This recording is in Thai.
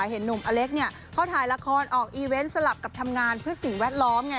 เห็นหนุ่มอเล็กเขาถ่ายละครออกอีเวนต์สลับกับทำงานเพื่อสิ่งแวดล้อมไง